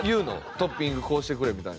トッピングこうしてくれみたいな。